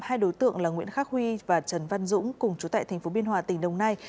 hai đối tượng là nguyễn khắc huy và trần văn dũng cùng chú tại tp biên hòa tỉnh đồng nai